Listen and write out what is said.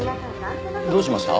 どうしました？